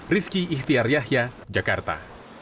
rizky ihtiar yahya jakarta